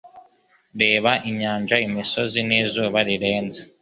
Reba inyanja, imisozi n'izuba rirenze